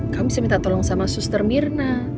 kamu bisa minta tolong sama suster mirna